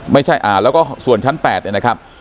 ไม่ใช่แล้วก็ส่วนชั้น๘เนี่ยนะครับ